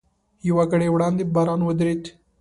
یوه ګړۍ وړاندې باران ودرېد.